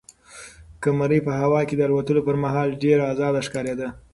قمرۍ په هوا کې د الوتلو پر مهال ډېره ازاده ښکارېده.